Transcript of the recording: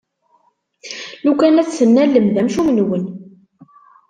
Lukan ad tt-tennalem, d amcum-nwen!